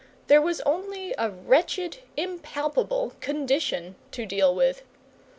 There was only a wretched, impalpable condition to deal with.